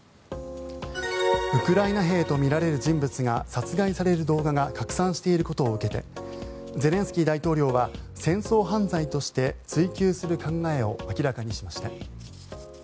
ウクライナ兵とみられる人物が殺害される動画が拡散していることを受けてゼレンスキー大統領は戦争犯罪として追及する考えを明らかにしました。